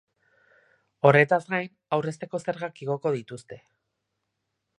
Horretaz gain, aurrezteko zergak igoko dituzte.